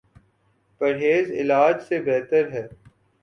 پرہیز علاج سے بہتر ہے